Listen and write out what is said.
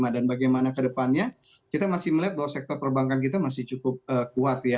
dan bagaimana kedepannya kita masih melihat bahwa sektor perbankan kita masih cukup kuat ya